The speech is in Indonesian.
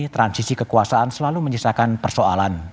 transisi kekuasaan selalu menyisakan persoalan